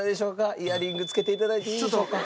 イヤリングつけて頂いていいでしょうか？